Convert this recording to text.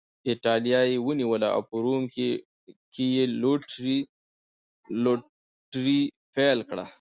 اېټالیا یې ونیوله او په روم کې یې لوټري پیل کړه.